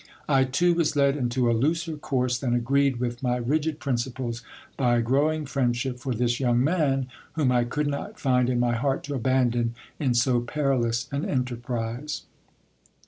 I too was led into a looser course than agreed with my rigid principles, by a growing friendship for this young man, whom I could not find in my heart to abandon in so perilous an enterprise.